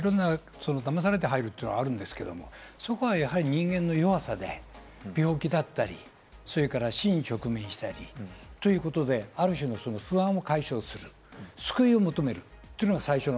騙されて入るというのはあるんですけど、そこはやはり人間の弱さで、病気だったり、死に直面したり、ということで、ある種の不安を解消する、救いを求めるというのが最初。